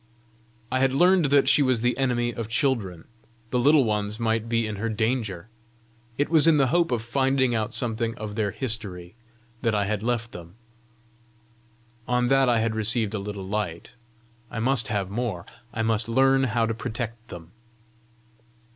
I had learned that she was the enemy of children: the Little Ones might be in her danger! It was in the hope of finding out something of their history that I had left them; on that I had received a little light: I must have more; I must learn how to protect them!